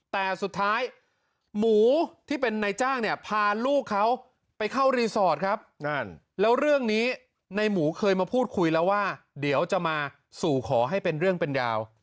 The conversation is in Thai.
แต่สุดท้ายหมูที่เป็นนายจ้างเนี่ยพาลูกเขาไปเข้ารีสอร์ทครับนั่นแล้วเรื่องนี้ในหมูเคยมาพูดคุยแล้วว่าเดี๋ยวจะมาสู่ขอให้เป็นเรื่องเป็นราว